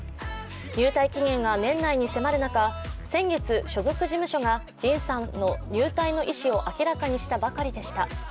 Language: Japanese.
入隊期限が年内に迫る中、先月、所属事務所がＪＩＮさんの入隊の意思を明らかにしたばかりでした。